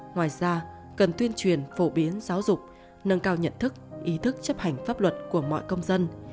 ngoài ra cần tuyên truyền phổ biến giáo dục nâng cao nhận thức ý thức chấp hành pháp luật của mọi công dân